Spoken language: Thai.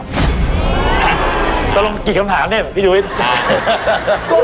ต้องลงกี่คำถามเนี่ยพี่ยุวิทย์